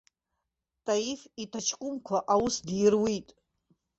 Таиф иҭаҷкәымқәа аус дируит.